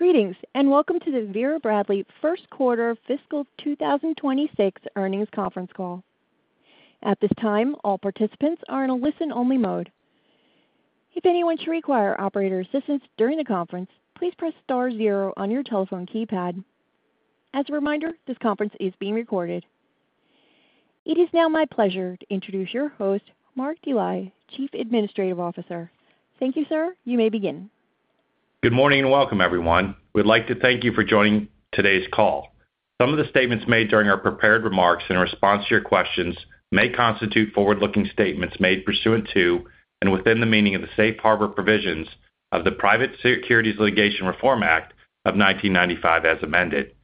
Greetings, and welcome to the Vera Bradley First Quarter Fiscal 2026 Earnings Conference Call. At this time, all participants are in a listen-only mode. If anyone should require operator assistance during the conference, please press star zero on your telephone keypad. As a reminder, this conference is being recorded. It is now my pleasure to introduce your host, Mark Dely, Chief Administrative Officer. Thank you, sir. You may begin. Good morning and welcome, everyone. We'd like to thank you for joining today's call. Some of the statements made during our prepared remarks in response to your questions may constitute forward-looking statements made pursuant to and within the meaning of the safe harbor provisions of the Private Securities Litigation Reform Act of 1995, as amended.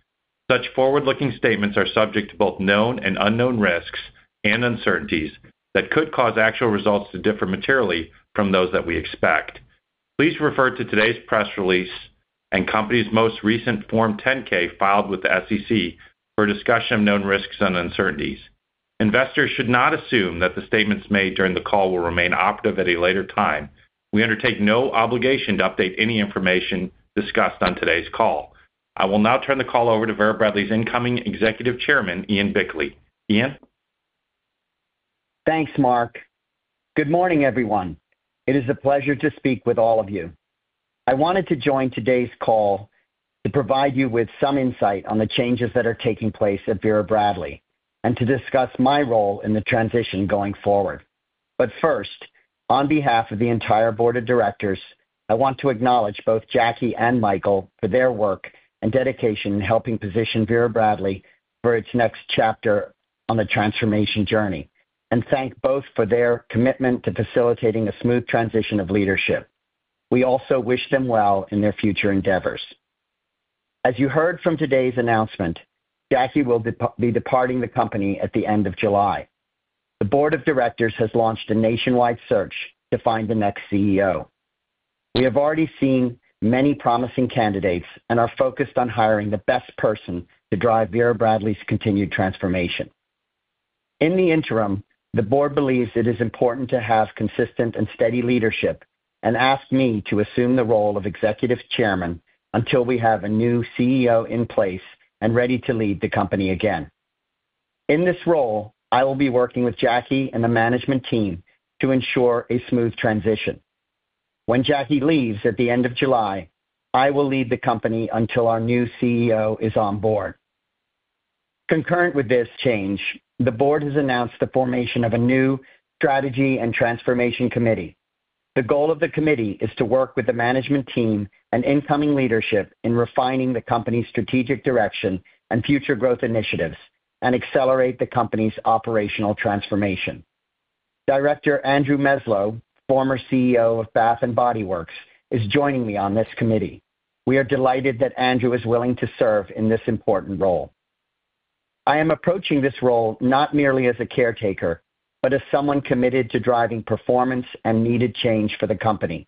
Such forward-looking statements are subject to both known and unknown risks and uncertainties that could cause actual results to differ materially from those that we expect. Please refer to today's press release and company's most recent Form 10-K filed with the SEC for discussion of known risks and uncertainties. Investors should not assume that the statements made during the call will remain operative at a later time. We undertake no obligation to update any information discussed on today's call. I will now turn the call over to Vera Bradley's incoming Executive Chairman, Ian Bickley. Ian. Thanks, Mark. Good morning, everyone. It is a pleasure to speak with all of you. I wanted to join today's call to provide you with some insight on the changes that are taking place at Vera Bradley and to discuss my role in the transition going forward. First, on behalf of the entire board of directors, I want to acknowledge both Jacquie and Michael for their work and dedication in helping position Vera Bradley for its next chapter on the transformation journey and thank both for their commitment to facilitating a smooth transition of leadership. We also wish them well in their future endeavors. As you heard from today's announcement, Jacquie will be departing the company at the end of July. The board of directors has launched a nationwide search to find the next CEO. We have already seen many promising candidates and are focused on hiring the best person to drive Vera Bradley's continued transformation. In the interim, the board believes it is important to have consistent and steady leadership and asked me to assume the role of Executive Chairman until we have a new CEO in place and ready to lead the company again. In this role, I will be working with Jacquie and the management team to ensure a smooth transition. When Jacquie leaves at the end of July, I will lead the company until our new CEO is on board. Concurrent with this change, the board has announced the formation of a new Strategy and Transformation Committee. The goal of the committee is to work with the management team and incoming leadership in refining the company's strategic direction and future growth initiatives and accelerate the company's operational transformation. Director Andrew Meslow, former CEO of Bath and Body Works, is joining me on this committee. We are delighted that Andrew is willing to serve in this important role. I am approaching this role not merely as a caretaker but as someone committed to driving performance and needed change for the company.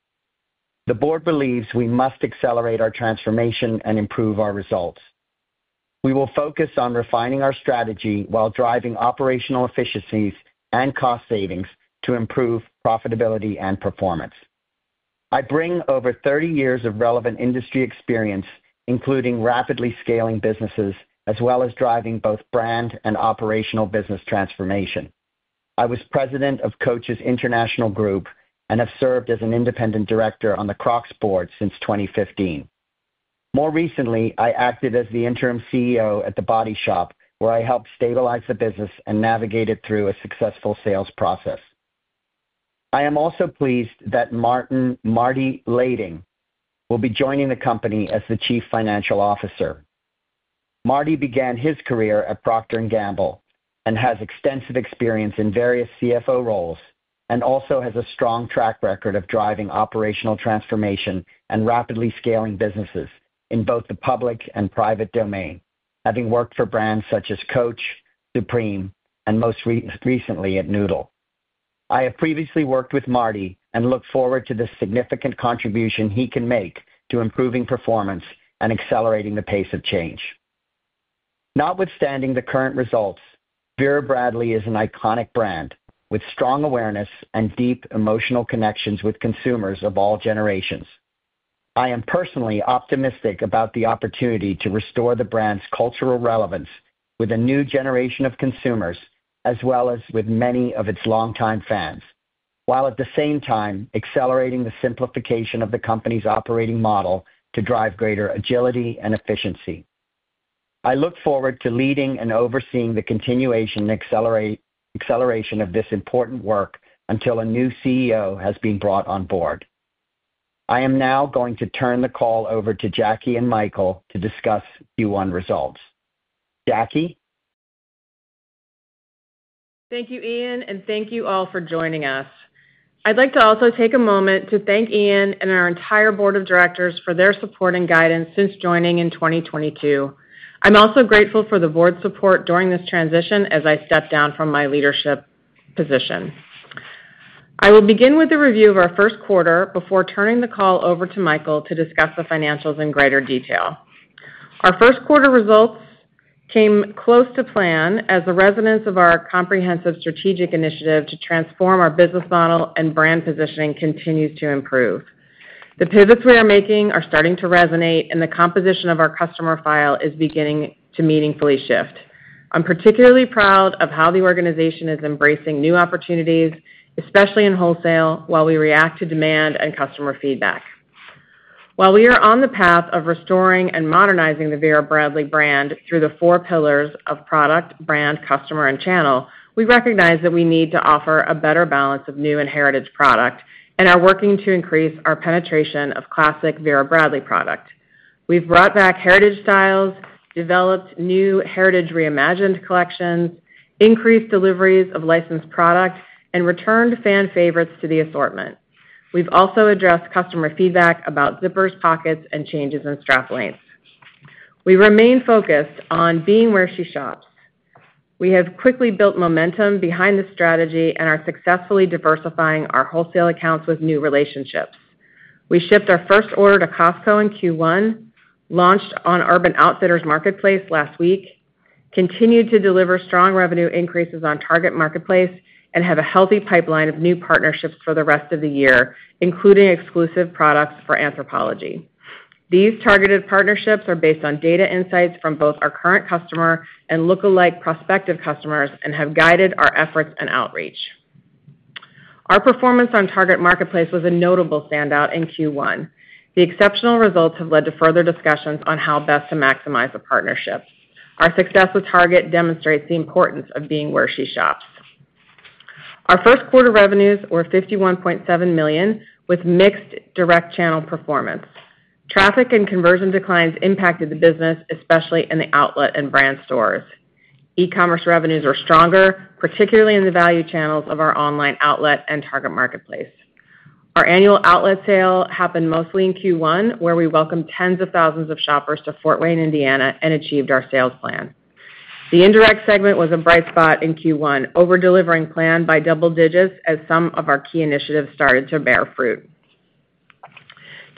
The board believes we must accelerate our transformation and improve our results. We will focus on refining our strategy while driving operational efficiencies and cost savings to improve profitability and performance. I bring over 30 years of relevant industry experience, including rapidly scaling businesses as well as driving both brand and operational business transformation. I was President of Coach's International Group and have served as an independent director on the Crocs board since 2015. More recently, I acted as the interim CEO at The Body Shop, where I helped stabilize the business and navigate it through a successful sales process. I am also pleased that Martin Layding will be joining the company as the Chief Financial Officer. Martin began his career at Procter & Gamble and has extensive experience in various CFO roles and also has a strong track record of driving operational transformation and rapidly scaling businesses in both the public and private domain, having worked for brands such as Coach, Supreme, and most recently at Noodle. I have previously worked with Martin and look forward to the significant contribution he can make to improving performance and accelerating the pace of change. Notwithstanding the current results, Vera Bradley is an iconic brand with strong awareness and deep emotional connections with consumers of all generations. I am personally optimistic about the opportunity to restore the brand's cultural relevance with a new generation of consumers as well as with many of its longtime fans, while at the same time accelerating the simplification of the company's operating model to drive greater agility and efficiency. I look forward to leading and overseeing the continuation and acceleration of this important work until a new CEO has been brought on board. I am now going to turn the call over to Jacquie and Michael to discuss Q1 results. Jacquie? Thank you, Ian, and thank you all for joining us. I'd like to also take a moment to thank Ian and our entire board of directors for their support and guidance since joining in 2022. I'm also grateful for the board's support during this transition as I stepped down from my leadership position. I will begin with a review of our first quarter before turning the call over to Michael to discuss the financials in greater detail. Our first-quarter results came close to plan as the resonance of our comprehensive strategic initiative to transform our business model and brand positioning continues to improve. The pivots we are making are starting to resonate, and the composition of our customer file is beginning to meaningfully shift. I'm particularly proud of how the organization is embracing new opportunities, especially in wholesale, while we react to demand and customer feedback. While we are on the path of restoring and modernizing the Vera Bradley brand through the four pillars of product, brand, customer, and channel, we recognize that we need to offer a better balance of new and heritage product and are working to increase our penetration of classic Vera Bradley product. We have brought back heritage styles, developed new heritage reimagined collections, increased deliveries of licensed product, and returned fan favorites to the assortment. We have also addressed customer feedback about zippers, pockets, and changes in strap lengths. We remain focused on being where she shops. We have quickly built momentum behind the strategy and are successfully diversifying our wholesale accounts with new relationships. We shipped our first order to Costco in Q1, launched on Urban Outfitters Marketplace last week, continued to deliver strong revenue increases on Target Marketplace, and have a healthy pipeline of new partnerships for the rest of the year, including exclusive products for Anthropologie. These targeted partnerships are based on data insights from both our current customer and lookalike prospective customers and have guided our efforts and outreach. Our performance on Target Marketplace was a notable standout in Q1. The exceptional results have led to further discussions on how best to maximize the partnership. Our success with Target demonstrates the importance of being where she shops. Our first quarter revenues were $51.7 million with mixed direct channel performance. Traffic and conversion declines impacted the business, especially in the outlet and brand stores. E-commerce revenues were stronger, particularly in the value channels of our online outlet and Target Marketplace. Our annual outlet sale happened mostly in Q1, where we welcomed tens of thousands of shoppers to Fort Wayne, Indiana, and achieved our sales plan. The indirect segment was a bright spot in Q1, over-delivering plan by double digits as some of our key initiatives started to bear fruit.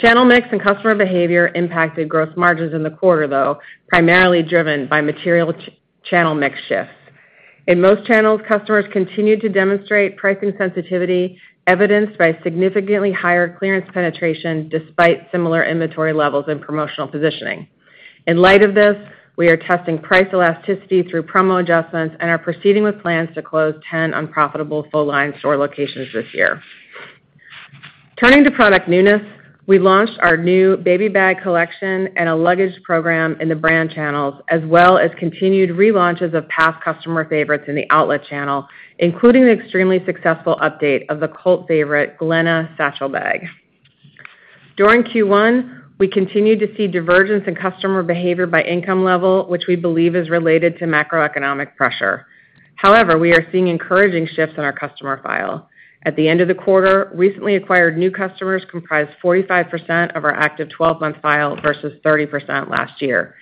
Channel mix and customer behavior impacted gross margins in the quarter, though, primarily driven by material channel mix shifts. In most channels, customers continued to demonstrate pricing sensitivity, evidenced by significantly higher clearance penetration despite similar inventory levels and promotional positioning. In light of this, we are testing price elasticity through promo adjustments and are proceeding with plans to close 10 unprofitable full-line store locations this year. Turning to product newness, we launched our new baby bag collection and a luggage program in the brand channels, as well as continued relaunches of past customer favorites in the outlet channel, including the extremely successful update of the cult favorite Glenna satchel bag. During Q1, we continued to see divergence in customer behavior by income level, which we believe is related to macroeconomic pressure. However, we are seeing encouraging shifts in our customer file. At the end of the quarter, recently acquired new customers comprised 45% of our active 12-month file versus 30% last year.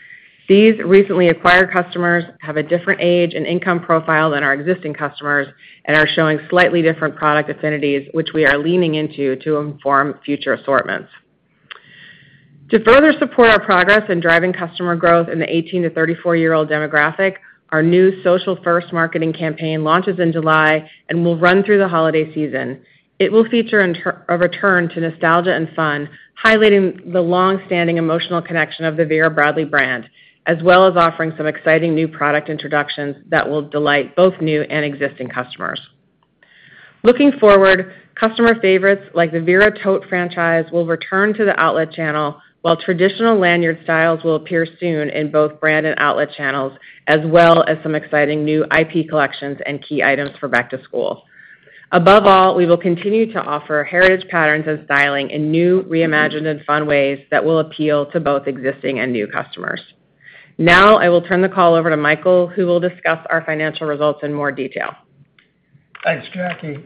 These recently acquired customers have a different age and income profile than our existing customers and are showing slightly different product affinities, which we are leaning into to inform future assortments. To further support our progress in driving customer growth in the 18-34-year-old demographic, our new Social First marketing campaign launches in July and will run through the holiday season. It will feature a return to nostalgia and fun, highlighting the long-standing emotional connection of the Vera Bradley brand, as well as offering some exciting new product introductions that will delight both new and existing customers. Looking forward, customer favorites like the Vera Tote franchise will return to the outlet channel, while traditional lanyard styles will appear soon in both brand and outlet channels, as well as some exciting new IP collections and key items for back to school. Above all, we will continue to offer heritage patterns and styling in new, reimagined, and fun ways that will appeal to both existing and new customers. Now, I will turn the call over to Michael, who will discuss our financial results in more detail. Thanks, Jacquie.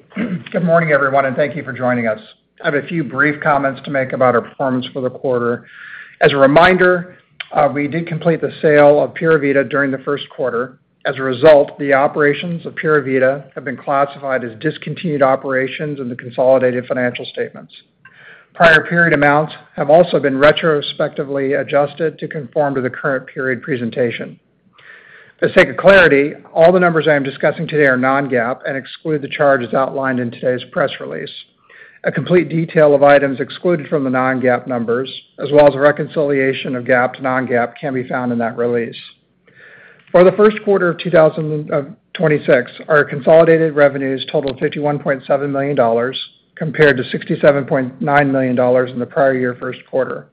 Good morning, everyone, and thank you for joining us. I have a few brief comments to make about our performance for the quarter. As a reminder, we did complete the sale of Pura Vida during the first quarter. As a result, the operations of Pura Vida have been classified as discontinued operations in the consolidated financial statements. Prior period amounts have also been retrospectively adjusted to conform to the current period presentation. For the sake of clarity, all the numbers I am discussing today are non-GAAP and exclude the charges outlined in today's press release. A complete detail of items excluded from the non-GAAP numbers, as well as a reconciliation of GAAP to non-GAAP, can be found in that release. For the first quarter of 2026, our consolidated revenues totaled $51.7 million compared to $67.9 million in the prior year first quarter.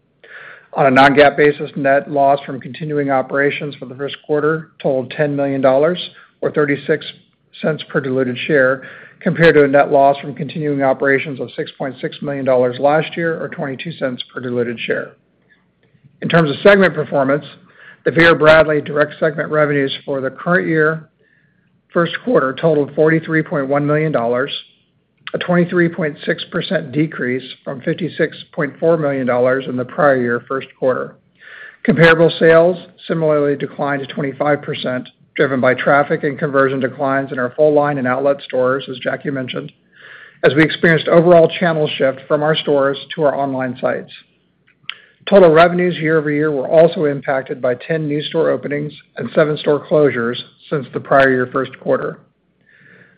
On a non-GAAP basis, net loss from continuing operations for the first quarter totaled $10 million, or $0.36 per diluted share, compared to a net loss from continuing operations of $6.6 million last year, or $0.22 per diluted share. In terms of segment performance, the Vera Bradley direct segment revenues for the current year first quarter totaled $43.1 million, a 23.6% decrease from $56.4 million in the prior year first quarter. Comparable sales similarly declined to 25%, driven by traffic and conversion declines in our full-line and outlet stores, as Jacquie mentioned, as we experienced overall channel shift from our stores to our online sites. Total revenues year over year were also impacted by 10 new store openings and 7 store closures since the prior year first quarter.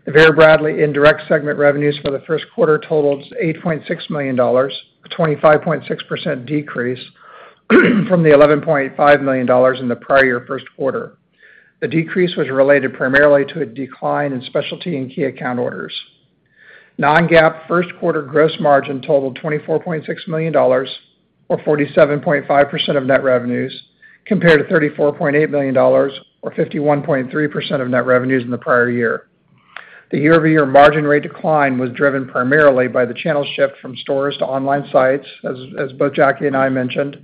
The Vera Bradley indirect segment revenues for the first quarter totaled $8.6 million, a 25.6% decrease from the $11.5 million in the prior year first quarter. The decrease was related primarily to a decline in specialty and key account orders. Non-GAAP first-quarter gross margin totaled $24.6 million, or 47.5% of net revenues, compared to $34.8 million, or 51.3% of net revenues, in the prior year. The year-over-year margin rate decline was driven primarily by the channel shift from stores to online sites, as both Jacquie and I mentioned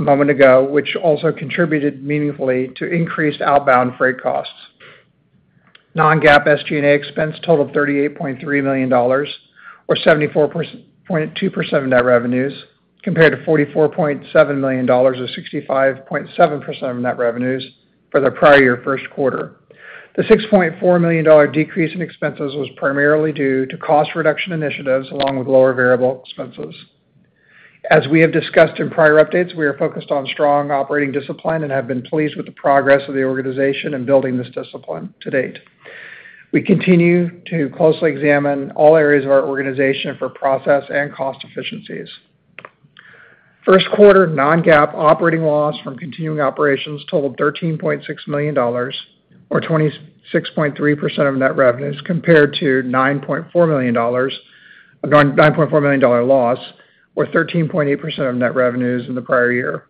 a moment ago, which also contributed meaningfully to increased outbound freight costs. Non-GAAP SG&A expense totaled $38.3 million, or 74.2% of net revenues, compared to $44.7 million, or 65.7% of net revenues, for the prior year first quarter. The $6.4 million decrease in expenses was primarily due to cost reduction initiatives along with lower variable expenses. As we have discussed in prior updates, we are focused on strong operating discipline and have been pleased with the progress of the organization in building this discipline to date. We continue to closely examine all areas of our organization for process and cost efficiencies. First quarter non-GAAP operating loss from continuing operations totaled $13.6 million, or 26.3% of net revenues, compared to $9.4 million loss, or 13.8% of net revenues in the prior year.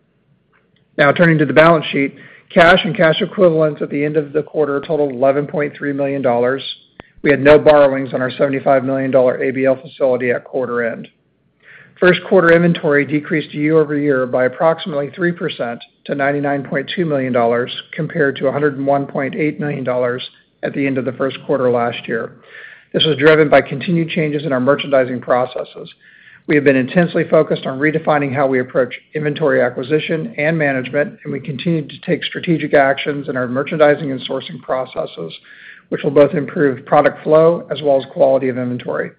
Now, turning to the balance sheet, cash and cash equivalents at the end of the quarter totaled $11.3 million. We had no borrowings on our $75 million ABL facility at quarter end. First quarter inventory decreased year over year by approximately 3% to $99.2 million, compared to $101.8 million at the end of the first quarter last year. This was driven by continued changes in our merchandising processes. We have been intensely focused on redefining how we approach inventory acquisition and management, and we continue to take strategic actions in our merchandising and sourcing processes, which will both improve product flow as well as quality of inventory.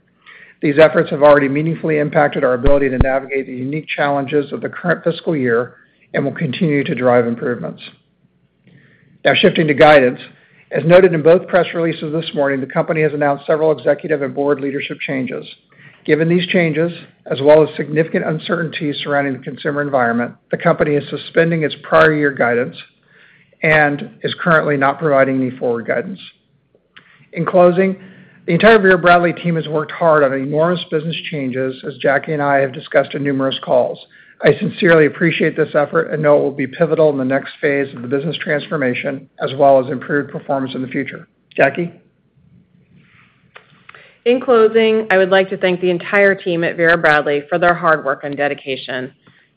These efforts have already meaningfully impacted our ability to navigate the unique challenges of the current fiscal year and will continue to drive improvements. Now, shifting to guidance, as noted in both press releases this morning, the company has announced several executive and board leadership changes. Given these changes, as well as significant uncertainty surrounding the consumer environment, the company is suspending its prior-year guidance and is currently not providing any forward guidance. In closing, the entire Vera Bradley team has worked hard on enormous business changes, as Jacquie and I have discussed in numerous calls. I sincerely appreciate this effort and know it will be pivotal in the next phase of the business transformation, as well as improved performance in the future. Jacquie? In closing, I would like to thank the entire team at Vera Bradley for their hard work and dedication.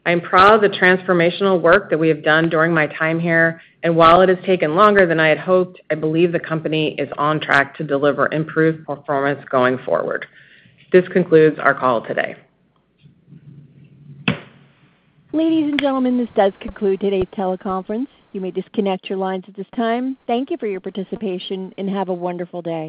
I am proud of the transformational work that we have done during my time here, and while it has taken longer than I had hoped, I believe the company is on track to deliver improved performance going forward. This concludes our call today. Ladies and gentlemen, this does conclude today's teleconference. You may disconnect your lines at this time. Thank you for your participation, and have a wonderful day.